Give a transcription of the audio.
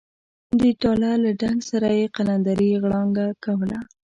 د ډاله له ډنګ سره یې قلندرې غړانګه کوله.